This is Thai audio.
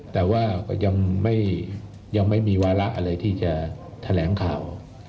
แต่ว่าก็ยังไม่มีวาระอะไรที่จะแถลงข่าว